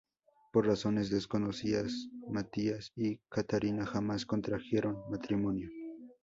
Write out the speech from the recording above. Por razones desconocidas, Mathias y Katharina jamás contrajeron matrimonio.